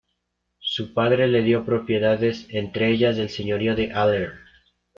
Su padre le dio propiedades, entre ellas el señorío de Aller.